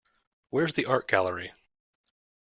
Where's the art gallery?